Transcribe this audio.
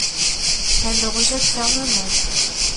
Elle le rejette fermement.